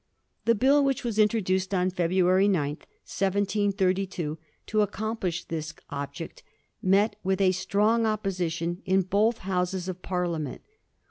The bill which was introduced on Feb ruary 9, 1732, to accomplish this object, met with a strong opposition in both Houses of Parliament.